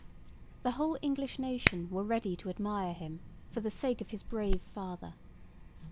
The whole English nation were ready to admire him for the sake of his brave father.